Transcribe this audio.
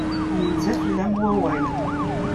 Inza fell-am wawal.